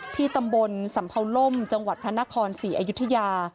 ที่ตำบลสัมเภาล่มจังหวัดพระนครศรีอยุธยา